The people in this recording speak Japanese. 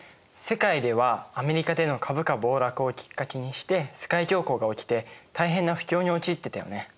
世界ではアメリカでの株価暴落をきっかけにして世界恐慌が起きて大変な不況に陥ってたよね。